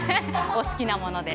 お好きなもので。